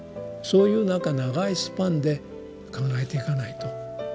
そういうなんか長いスパンで考えていかないと。